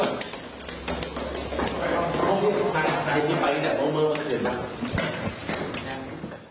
ไอ้ที่มีไฟได้สองเมื่อเขาคืน